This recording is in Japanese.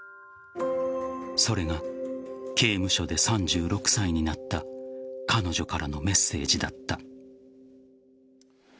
それが刑務所で３６歳になった彼女からのメッセージだった。